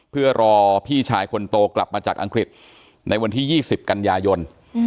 เพื่อรอพี่ชายคนโตกลับมาจากอังกฤษในวันที่๒๐กันยายน